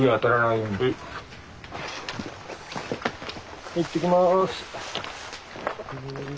いってきます。